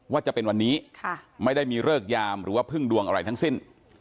ว่าจะเป็นวันนี้ไม่ได้มีเลิกยามหรือว่าพึ่งดวงอะไรทั้งสิ้น